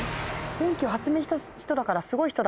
電気を発明した人だからすごい人だから。